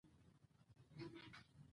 افغانستان له هندوکش ډک دی.